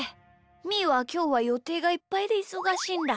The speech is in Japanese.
みーはきょうはよていがいっぱいでいそがしいんだ。